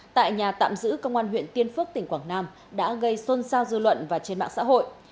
tại nhà tạm giữ công an huyện tiên phước tỉnh quảng nam đã gây xôn xao dư luận và trên mạng xã hội